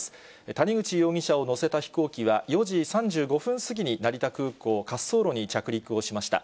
谷口容疑者を乗せた飛行機は、４時３５分過ぎに成田空港滑走路に着陸をしました。